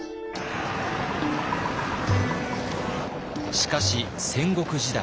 しかし戦国時代。